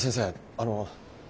あの。